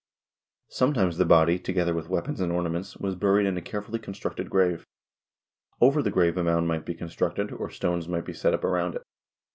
Sometimes the body, together with weapons and ornaments, was buried in a carefully constructed grave. Over the grave a mound might be constructed, or stones might be set up around it.